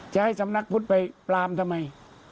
จะให้สำนักพุทธไปปรามทำไม